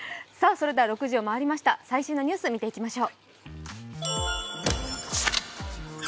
それでは６時を回りました最新のニュースを見ていきましょう。